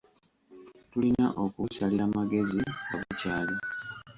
Tulina okubusalira magezi nga bukyali.